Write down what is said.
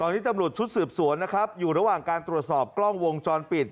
ตอนนี้ตำรวจชุดสืบสวนนะครับอยู่ระหว่างการตรวจสอบกล้องวงจรปิด